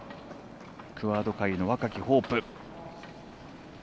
クアード界の若きホープ。